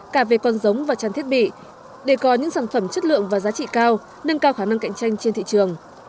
cả về con giống và trang thiết bị để có những sản phẩm chất lượng và giá trị cao nâng cao khả năng cạnh tranh trên thị trường